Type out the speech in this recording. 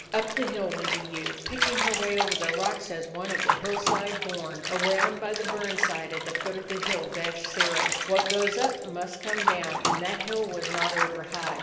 Up the hill went the ewe, picking her way over the rocks as one to the hillside born; around by the burn side at the foot of the hill dashed Sirrah. What goes up must come down ; and that hill was not over high.